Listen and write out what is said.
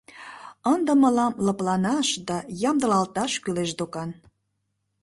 Ынде мылам лыпланаш да ямдылалташ кӱлеш докан.